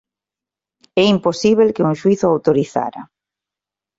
É imposíbel que un xuíz o autorizara.